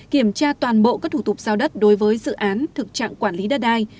kiểm tra toàn bộ các thủ tục giao đất đối với dự án thực trạng quản lý đất đai